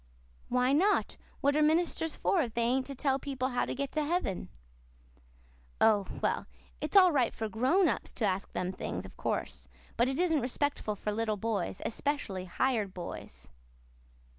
"Why not? What are ministers for if they ain't to tell people how to get to heaven?" "Oh, well, it's all right for grown ups to ask them things, of course. But it isn't respectful for little boys especially hired boys."